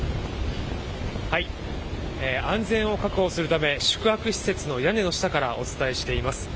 安全を確保するため宿泊施設の屋根の下からお伝えしています。